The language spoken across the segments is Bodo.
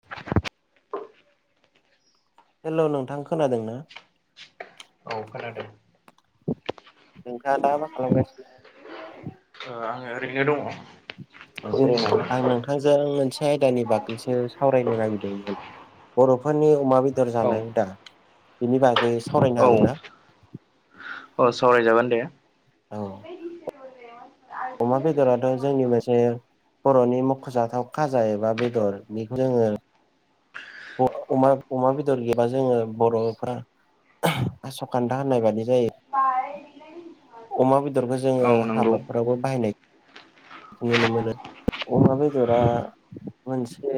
[inaudible] हेलौ नोंथां खोनादों ना? औ खोनादो। नोंथाङा दा मा खालामगासिनो? ओ आङो ओरैनो दङ। औ जिरायनानै आंनो नोंथाजों मोनसे आयदानि बागैसो सावरायनो नागिरदोंमोन बर'फोरनि अमा बेदर औ जानाय हुदा बेनि बागै सावरायनो हागोन ना? अ सावरायजागोन दे। औ। अमा बेदराथ' जोंनि मोनसे। बर'नि मख'जाथाव खाजा एबा बेदरनि जोङो। अ अमाअमा बेदर गैबा जोङो बर'फ्रा। आस'खान्दा होननाय बादि जायो। अमा बेदरखौ जोङो औ नंगौ हाबाफोरावबो बाहायनाय। नुनो मोनो अमा बेदरा मोनसे।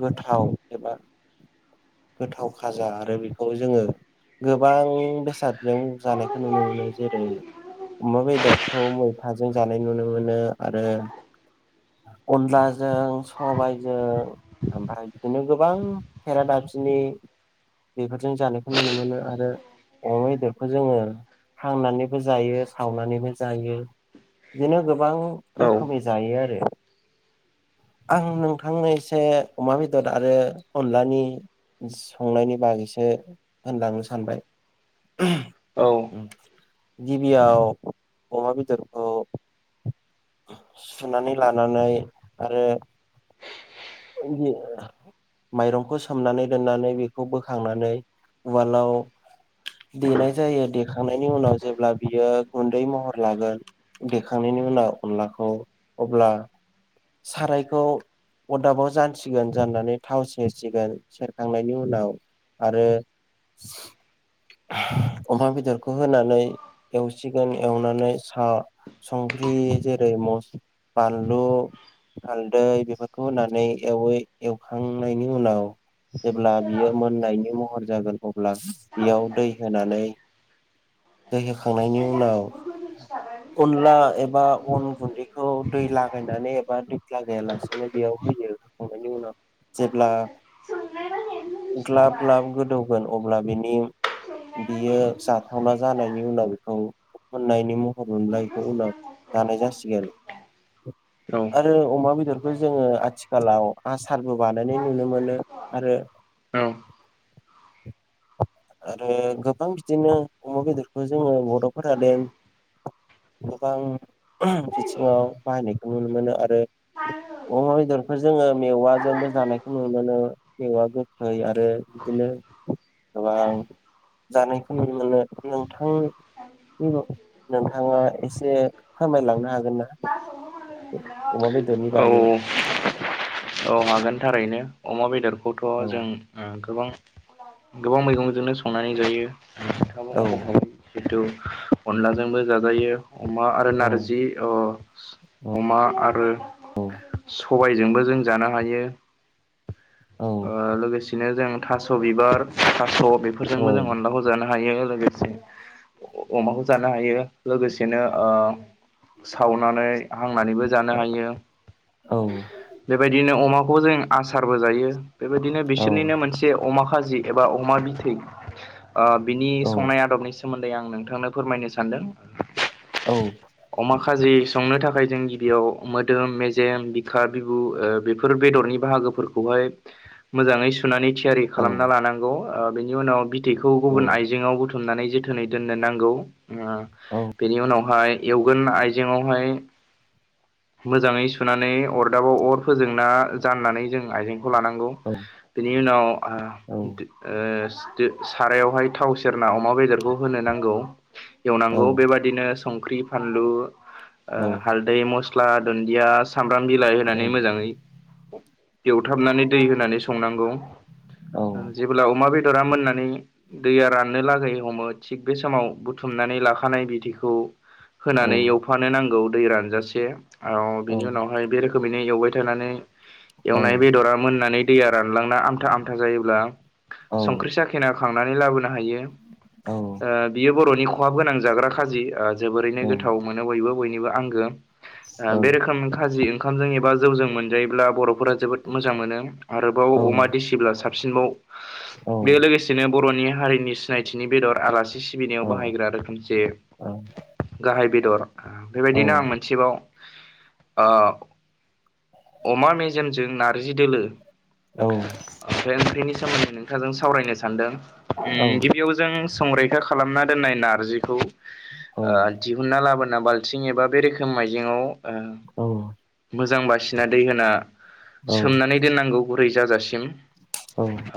गोथाव एबा। गोथाव खाजा आरो बेखौ जोङो। गोबां बेसादजों जानायखौ नुनो मोनो जेरै अमा बेदरखौ मैथाजों जानाय नुनो मोनो आरो अनलाजों सबाय, जों ओमफ्राय बिदिनो गोबां खेरादाफिनि, बेफोरजों जानायखौ नुनो मोनो आरो अमा बेदरखौ जोङो। हांनानैबो जायो सावनानैबो जायो। बिदिनो गोबां औ रोखोमै जायो आरो आं नों फांनैसो अमा बेदर आरो अनलानि संनायनि बागैसो होनलांनो सानबाय औ गिबियाव अमा बेदरखौ, सुनानै लानानै आरो [unintelligible] माइरंखौ सोमनानै दोननानै बेखौ बोखांनानै उवालाव, देनाय जायो देखांनायनि उनाव जेब्ला बियो गुन्दै महर लागोन देखांनायनि उनाव अनलाखौ अब्ला सारायखौ। अदाबाव जानसिगोन जाननानै थाव सेरसिगोन सेरखांनायनि उनाव, आरो अमा बेदरखौ होनानै, एवसिगोन एवनानै सा संख्रि जेरै मस बानलु हालदै बेफोर खौ होनानै एवहै एवखांनायनि उनाव, जेब्ला बियो मोननायनि महर जागोन अब्ला बेयाव दै होनानै, दै होखांनायनि उनाव, अनला एबा अन गुन्दैखौ दै लागायनानै, बा दैेख्ला गैयालासेनो बेयाव होयो होखांनायनि उनाव जेब्ला ग्लाब ग्लाब गोदौगोन अब्ला बिनि बियो जाथावना जानायनि उनाव बेखौ मोननायनि महर मोनलायखौ उनाव जानाय जासिगोन औ आरो अमा बेदरखौ जोङो आथिखालाव आसारबो बानायनाय नुनो मोनो आरो आरो गोबां बिदिनो अमा बेदरखौ जोङो बर'फोरा दोन गोबां बिथिङाव बाहायनायखौ नुनो मोनो आरो अमा बेदर बेफोर जोङो मेवाजोंबो जानायखौ नुनो मोनो मेवा गोखै आरो बिदिनो गोबां जानायखौ नुनो मोनो नोंथां नोंथाङा एसे फोरमायलांनो हागोन ना [inaudible] अमा बेदरनि औ बागै औ औ हागोन थारैनो अमा बेदरखौथ' औ जों गोबां गोबां मैगंजोंनो संनानै जायो नखाबो औ मावखायो जिथु अनलाजोंबो जाजायो अमा आरो औ नारजि औ अमा आरो सबायजोंबो जों जानो हायो औ लोगोसेनो जों थास' बिबार थास' औ बेफोरजोंबो जों अनलाखौ जानो हायो लोगोसे अमाखौ जानो हायो लोगोसेनो सावनानै हांनानैबो जानो हायो औ बेबायदिनो अमाखौ बेखौ जों आसारबो जायो बेबायदिनो बिसोरनिनो मोनसे अमा खाजि एबा अमा बिथै बिनि औ संनाय आदबनि सो मोन्दै आं नोंथांनो फोरमायनो सानदों औ अमा खाजि संनो थाखाय जों गिबियाव मोदोम मेजेम बिखा बिबु बेफोर बेफोर बेदरनि बाहागोफोरखौहाय मोजाङै सुनानै थियारि खालामना लानांगौ बेनि उनाव बिथैखौ गुबुन आइजेंआवबो बुथुमनानै जोथोनै दोननो नांगौ औ बेनि उनावहाय एवगोन आइजेंआवहाय मोजाङै सुनानै अरदाबाव अर फोजोंना जाननानै जों आइजें लानांगौ बेनि उनाव सारायावहाय थाव सेरना अमा बेदरखौ होनो नांगौ। औ एवनांगौ बेबादिनो संख्रि फानलु औ हालदै म स्ला दुन्दिया सामब्राम बिलाइ औ होनानै मोजाङै एवथाबनानै दै होनानै संनांगौ औ जेब्ला अमा बेदरा मोननानै दैया राननो लागै हमो थिग बे समाव बुथुमनानै लाखानाय बिदैखौ औ होनानै एवफानो नांगौ दै रानजासे औ औ बिनि उनावहाय बे रोखोम बेनो एवबाय थानानै औ एवनाय बेदरा मोननानै दैया रानलांना आमथा आमथा जायोब्ला औ संख्रि साखिना खांनानै लाबोनो हायो औ बियो बर'नि खहाब गोनां जाग्रा खाजि औ जोबोरैनो गोथाव मोनो बयबो बयनिबो आंगो औ बे रोखोम खाजि ओंखामजों एबा जौजों मोनजायोब्ला बर'फोरा जोबोद मोजां मोनो आरोबाव औ अमा देसिब्ला साबसिनबाव औ औ बे लोगोसे नो बर'नि हारिनि सिनायथिनि बेदर आलासि सिबिनायाव बाहायग्रा रोखोम जे गाहाय बेदर बेबायदिनो आं औ मोनसेबाव ओ अमा मेजेमजों नारजि दोलो औ ओंख्रिनि सोमोन्दै नोंथांजों सावरायनो सानदों गिबियाव जों संरैखा खालामना दोननाय नारजिखौ ओ दिहुनना लाबोना बाल्थिं एबा बे रोखोम आइजेंआव मोजां बासिना दै होना सोमनानै दोननांगौ गुरै जाजासिम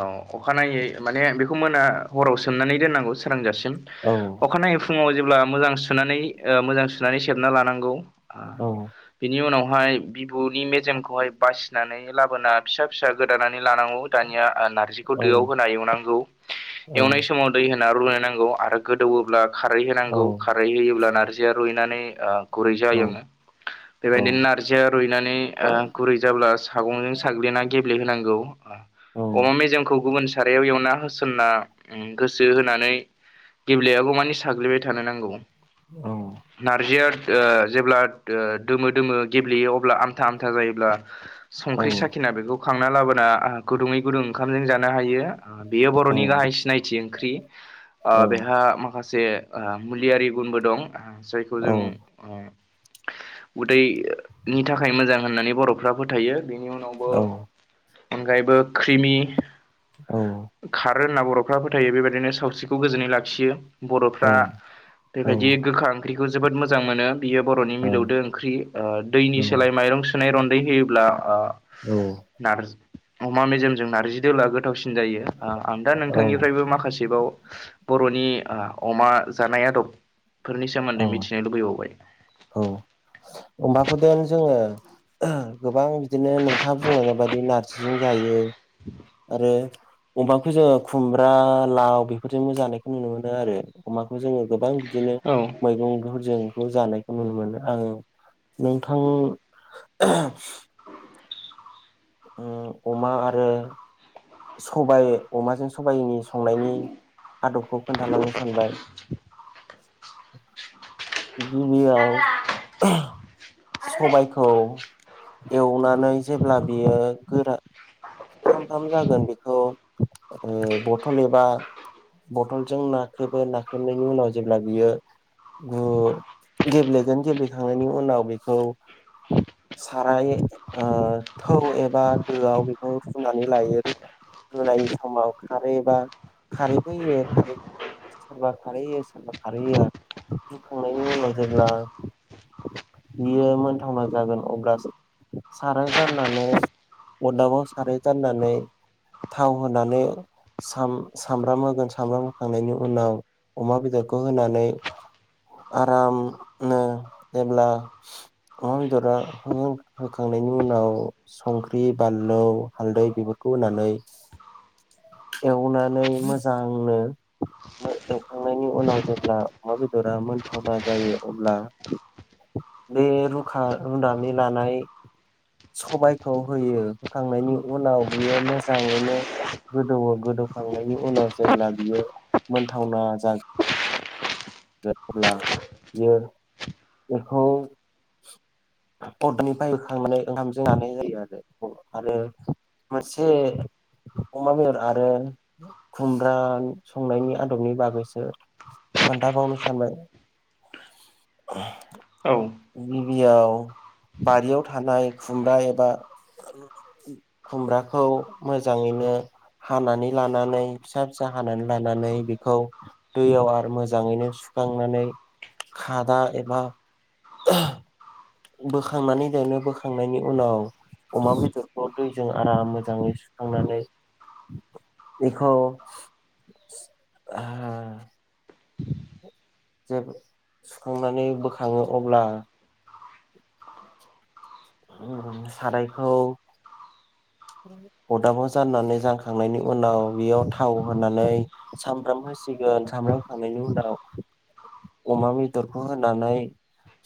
औ अखानायै माने बेखौ मोना हराव सोमनानै दोननांगौ सोरांजासिम औ अखानायै फुङाव जेब्ला मोजां सुनानै ओ मोजां सुनानै सेबना लानांगौ। औ। बिनि उनावहाय बिबुनि मेजेमखौहाय बासिनानै लाबोना फिसा-फिसा गोदानानै लानांगौ। दानिया नारजिखौ दोआव होना एवनांगौ एवनाय समाव दै होना रुलायनांगौ आरो गोदौवोब्ला खारै होनांगौ खारै होयोब्ला नारजिया रुइनानै ओ गुरै जायोमोन बेबायदिनो नारजिया रुइनानै ओ गुरै जाब्ला सागंजों साग्लिना गेब्लेहोनांगौ। अमा मेजेमखौ गुबुन सारायाव एवना होसनना ओ गोसो होनानै गेब्लेयागौ मानि साग्लिबाय थानो नांगौ। नारजिया ओ जेब्ला दो-दोमो-दोमो गेब्लेयो अब्ला आ था आमथा जायोब्ला संख्रि साखिना बेखौ खांना लाबोना गुदुङै गुदुं ओंखामजों जानो हायो बेयो बर'नि गाहाय सिनायथि ओंख्रि ओ बेहा माखासे ओ मुलियारि गुनबो दं ओ जायखौ जों ओ उदैनि थाखाय मोजां होननानै बर'फ्रा फोथायो बेनि उनाव औ अनगायैबो क्रिमि औ खारो होनना बर'फ्रा फोथायो बेबायदिनो सावस्रिखौ गोजोनै लाखियो बर'फ्रा बेबायदि गोखा ओंख्रिखौ जोबोद मोजां मोनो बियो बर'नि मिलौदो ओंख्रि ओ दैनि सोलाय माइरं सुनाय रन्दै होयोब्ला ओ औ नारजि अमा मेजेमजों नारजि दोलोआ गोथावसिन जायो। ओ आं दा औ नोंथांनिफ्रायबो माखासेबाव बर'नि अमा जानाय आदब फोरनि सोमोन्दै मिथिनो लुबैबावबाय। औ अमाखौ देन जोङो गोबां बिदिनो नोंथाङा बुंलायनाय बायदि नारजिजों जायो आरो अमाखौ जोङो खुमब्रा लाव बेफोरजोंबो जानायखौ नुनो मोनो आरो। अमाखौ जोङो गोबां बिदिनो औ मैगंफोरजोंखौ जानायखौ नुनो मोनो आं नोंथां ओ अमा आरो सबाय अमाजों सबायनि संनायनि आदबखौ खोन्थालांनो सानबाय। गिबियाव [unintelligible] सबायखौ एवनानै जेब्ला बियो गोरा [inaudible] बथलजों नाख्रेबो नाख्रेबनायनि उनाव जेब्ला बियो गु गेब्लेगोन गेब्लेखांनायनि उनाव बेखौ साराय ओ थौ एबा दोआव बेखौ फुनानै लायो। [inaudible] होनाय समाव खारै एबा खारैबो होयो खारै सोरबा खारै होयो सोरबा खारै होया रुखांनायनि उनाव जेब्ला बियो मोनथावना जागोन अब्लासो साराय जाननानै अदाबाव साराय जाननानै थाव होनानै साम-सामब्राम होगोन सामब्राम होखांनायनि उनाव अमा बेदरखौ होनानै आराम नो जेब्ला अमा बेदरा हो-होखांनायनि उनाव संख्रि बानलु हालदै बेफोरखौ होनानै एवनानै मोजांनो ओ एवखांनायनि उनाव जेब्ला अमा बेदरा मोनथावना जायो अब्ला बे रुखा रुनानै लानाय सबायखौ होयो होखांनायनि उनाव बियो मोजाङैनो गोदौ ओ गोदौखांनायनि उनाव जेब्ला बियो मोनथावना जागोन अब्ला बियो बेखौ अदनि बायखांनानै ओंखाम जनानै होयो आरो आरो मोनसे अमा बेदर आरो खुमब्रा संनायनि आदबनि बागैसो दाबावनो सानबाय औ गिबियाव बारियाव थानाय खुमब्रा एबा खुमब्राखौ मोजाङैनो हानानै लानानै फिसा फिसा हानानै लानानै बेखौ दैयाव आरो मोजां मोजाङैनो सुखांनानै खादा एबा बोखांनानै देरनो बोखांनायनि उनाव अमा बेदरखौ दैजों आराम मोजाङै सुखांनानै बेखौ' हा जे सुखांनानै बोखाङो अब्ला उम सारायखौ अदाबाव जाननानै जखांनायनि उनाव बेयाव थाव होनानै सामब्राम होसिगोन सामब्राम होखांनायनि उनाव अमा बेदरखौ होनानै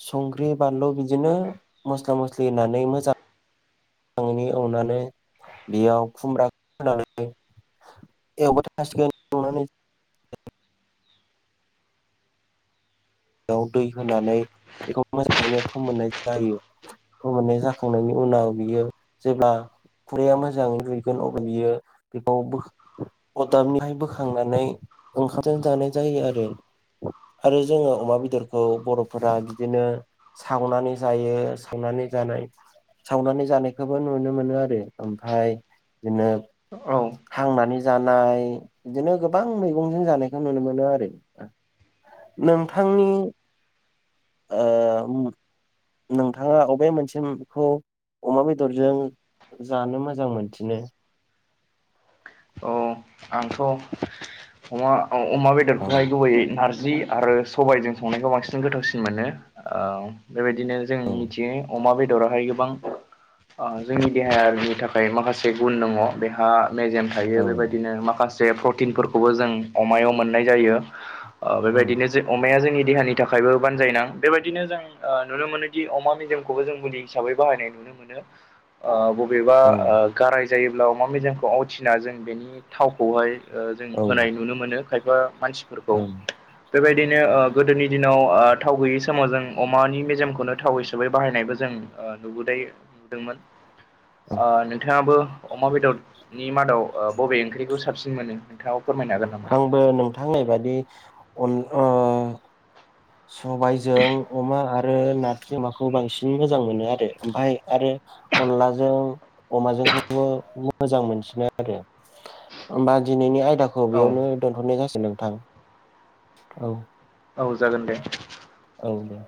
संख्रि बानलु बिदिनो मस्ला मस्लि होननै मोजां आंनि अननानै बेयाव खुमब्रा होनानै एवबाय थासिगोन सुखांनानै बेयाव दै होनानै बेखौ मोजाङैनो फोमोननाय जायो। मोननाय जाखांनायनि उनाव बियो जेब्ला खुरैया मोजाङै रुइगोन अब्ला बियो बेखौ बो अरदाबनिहाय बोखांनानै ओंखामजों जानाय जायो आरो आरो जोंनाव अमा बेदरखौ बर'फोरा बिदिनो सावनानै जायो सावनानै जानाय सावनानै जानायखौबो नुनो मोनो आरो ओमफ्राय बिदिनो औ हांनानै जानाय बिदिनो गोबां मैगंजों जानायखौ नुनो मोनो आरो नोंथांनि ओम नोंथाङा अबे मोनसेखौ अमा बेदरजों जानो मोजां मोनसिनो औ आंथ' अमा अमा औ बेदरखौहाय गुबै नार जि आरो सबायजों संनायखौ बांसिन गोथावसिन मोनो ओ बेबायदिनो जों औ मिथियो अमा बेदराहाय गोबां ओ जोंनि देहायनि थाखाय माखासे गुन दङ बेहा मेजेम थायो औ बेबायदिनो माखासे प्रटिनफोरखौबो जों अमायाव मोननाय जायो। ओ औ बेबायदिनो जे अमाया जोंनि देहानि थाखायबो बानजायना बेबायदिनो जों नुनो मोनोदि अमा मेजेमखौबो जों बुुलि हिसाबै बाहायनाय नुनो ओ अबेबा ओ गाराय जायोब्ला अमा मेजेमखौ आवथिना जों बेनि थावखौहाय ओ जों औ होनाय नुनो मोनो खायफा मानसिफोरखौ औ बेबायदिनो ओ गोदोनि दिनाव ओ थाव गैयै समाव जों अमानि मेजेमखौनो थाव हिसाबै बाहायनायबो जों ओ नुबोदाय नुदोंमोन औ नोंथाङाबो अमा बेदर [inaudible] नि मादाव ओ बबे ओंख्रिखौ साबसिन मोनो नोंथाङाव फोरमायनोागोन नामा। आंबो नोंथांनायबादि अन ओ सबायाइजों अमा आरो नारखेमाखौ बांसिन मोजां मोनो आरो ओमफफ्राय आरो अनलाजों अमाजोंखौबो मोजां मोनसिनो आरो होमबा दिनैनि आयदाखौ औ बेयावनो दोनथ'नाय जाासग नोंथां औ। औ जागोन दे। औ दे।